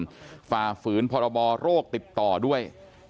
ต่อภาษาฝืนพระบอบโรคติดต่อด้วย